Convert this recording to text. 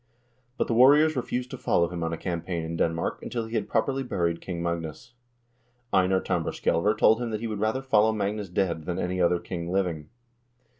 But the warriors refused to follow him on a campaign in Denmark until he had properly buried King Magnus. Einar Tambarskjselver told him that he would rather follow Magnus dead than any other king living.